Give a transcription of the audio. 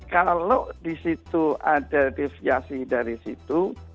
kalau disitu ada deviasi dari situ